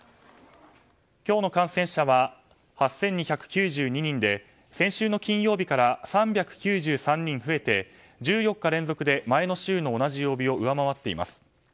今日の感染者は８２９２人で先週の金曜日から３９３人増えて１４日連続で前の週の同じ曜日を上回っています。